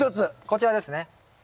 こちらですね。